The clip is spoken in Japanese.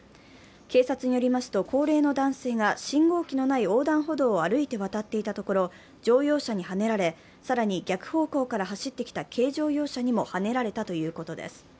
警察によりますと、高齢の男性が信号機のない横断歩道を歩いて渡っていたところ、乗用車にはねられ、更に逆方向から走ってきた軽乗用車にもはねられたということです。